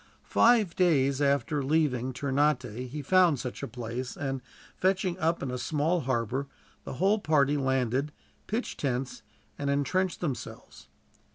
Five days after leaving Ternate he found such a place and, fetching up in a small harbor, the whole party landed, pitched tents, and entrenched themselves.